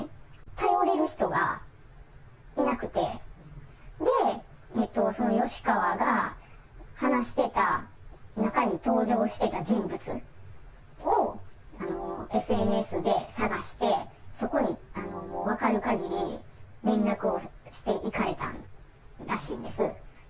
頼れる人がいなくて、で、その吉川が話していた中に登場してた人物をＳＮＳで探して、そこに分かるかぎり、連絡をしていかれたらしいんです。